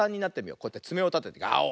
こうやってつめをたててガオー。